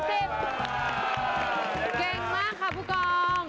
เก่งมากค่ะผู้กอง